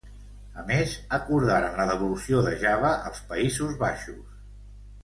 A més acordaren la devolució de Java als Països Baixos.